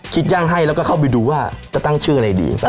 ย่างให้แล้วก็เข้าไปดูว่าจะตั้งชื่ออะไรดี